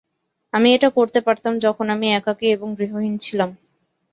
আমি এটা করতে পারতাম যখন আমি একাকী এবং গৃহহীন ছিলাম।